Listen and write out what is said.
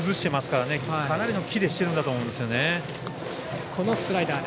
かなりのキレをしているんだと思うんですよね。